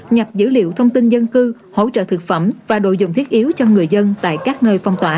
nhập dữ liệu thông tin dân cư hỗ trợ thực phẩm và đồ dùng thiết yếu cho người dân tại các nơi phong tỏa